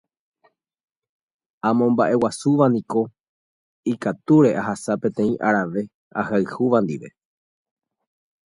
amomba'eguasúniko ikatúre ahasa peteĩ arave ahayhúva ndive